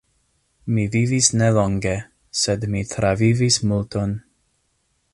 Mi vivis ne longe, sed mi travivis multon.